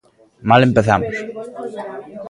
¡Mal empezamos!